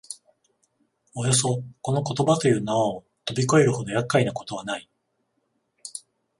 およそこの言葉という縄をとび越えるほど厄介なことはない